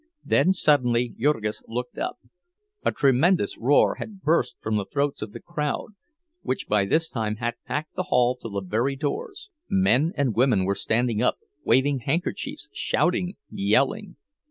—Then suddenly Jurgis looked up. A tremendous roar had burst from the throats of the crowd, which by this time had packed the hall to the very doors. Men and women were standing up, waving handkerchiefs, shouting, yelling.